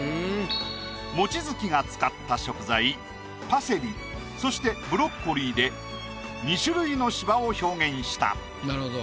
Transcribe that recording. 望月が使った食材パセリそしてブロッコリーで２種類の芝を表現した。